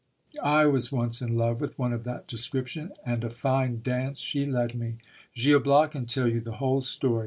I was once in love with one of that description, and a fine dance she led me. Gil Bias can tell you the whole story